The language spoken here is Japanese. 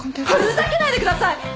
ふざけないでください！